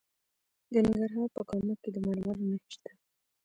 د ننګرهار په کامه کې د مرمرو نښې شته.